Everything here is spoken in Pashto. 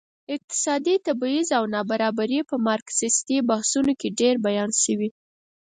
اقتصادي تبعيض او نابرابري په مارکسيستي بحثونو کې ډېر بیان شوي.